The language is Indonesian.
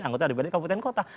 anggota dpr di kabupaten kota